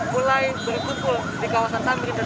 mulai berkumpul di kawasan tamir dan